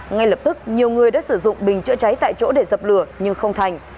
ngay lập tức nhiều người đã sử dụng bình chữa cháy tại chỗ để dập lửa nhưng không thành